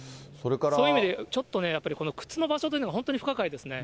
そういう意味で、ちょっとね、やっぱりこの靴の場所というのが本当に不可解ですね。